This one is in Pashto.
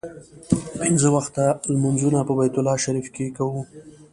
پنځه وخته لمونځونه په بیت الله شریف کې کوو.